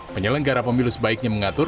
penyelenggara pemilu sebaiknya mengatur